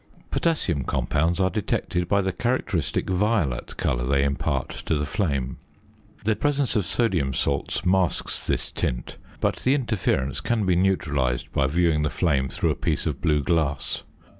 Potassium compounds are detected by the characteristic violet colour they impart to the flame. The presence of sodium salts masks this tint, but the interference can be neutralised by viewing the flame through a piece of blue glass.